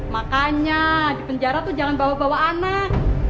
makanya di penjara tuh jangan bawa bawa anak